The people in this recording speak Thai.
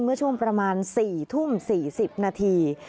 เมื่อช่วงประมาณ๔ทุ่ม๔๐นาที